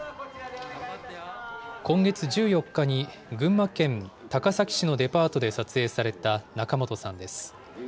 今月１４日に、群馬県高崎市のデパートで撮影された仲本さんです。